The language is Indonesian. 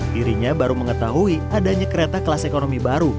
dirinya baru mengetahui adanya kereta kelas ekonomi baru